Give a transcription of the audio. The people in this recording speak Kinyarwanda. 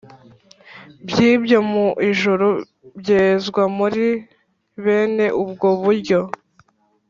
By ibyo mu ijuru byezwa muri bene ubwo buryo